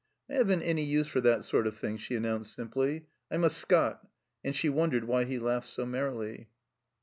" I haven't any use for that sort of thing," she announced simply; "I'm a Scot," and she wondered why he laughed so merrily.